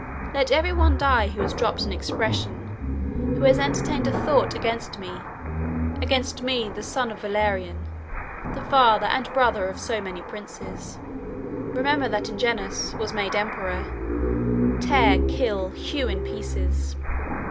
Let every one die who has dropped an expression, who has entertained a thought against me, against me, the son of Valerian, the father and brother of so many princes. 166 Remember that Ingenuus was made emperor: tear, kill, hew in pieces.